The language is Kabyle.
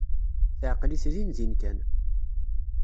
Teɛqel-it dindin kan.